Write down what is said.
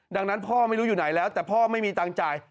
ดังนั้นพ่อไม่รู้อยู่ไหนแล้วแต่พ่อไม่มีตังค์จ่าย